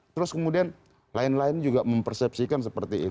terus kemudian lain lain juga mempersepsikan seperti itu